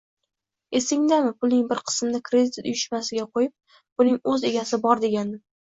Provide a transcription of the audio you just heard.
Esingdami pulning bir qismini kredit uyushmasiga qo`yib, buning o`z egasi bor degandim